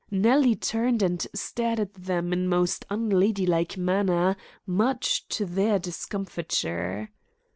Nellie turned and stared at them in most unladylike manner, much to their discomfiture.